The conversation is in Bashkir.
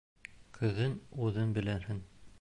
Көҙөн үҙең белерһең.